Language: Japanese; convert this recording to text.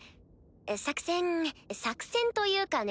作戦作戦というかね。